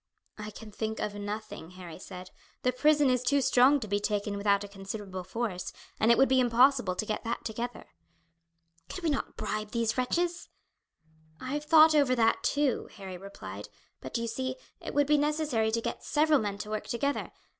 "I can think of nothing," Harry said. "The prison is too strong to be taken without a considerable force, and it would be impossible to get that together." "Could we not bribe these wretches?" "I have thought over that too," Harry replied; "but, you see, it would be necessary to get several men to work together.